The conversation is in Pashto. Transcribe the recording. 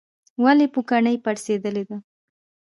ولې پوکڼۍ پړسیدلې ده؟